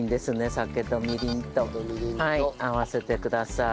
酒とみりんとはい合わせてください。